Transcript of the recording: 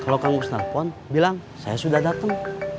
kalau kamu ke sinarpon bilang saya sudah datang